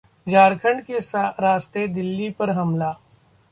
झारखंड के रास्ते दिल्ली पर हमला